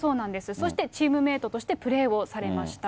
そしてチームメートとしてプレーをされました。